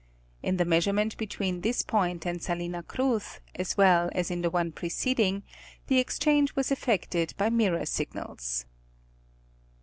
In the measurement between this point and Salina Cruz, as well as in the one preceding, the exchange was effected by mirror signals.